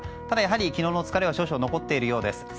ただ昨日の疲れは少々残っているようです。